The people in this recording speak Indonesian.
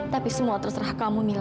tapi semua terserah kamu mila